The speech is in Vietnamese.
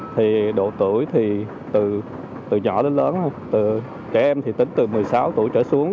thì độ tuổi thì từ nhỏ đến lớn từ trẻ em thì tính từ một mươi sáu tuổi trở xuống